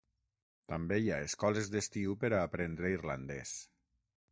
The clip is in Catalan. També hi ha escoles d'estiu per a aprendre irlandès.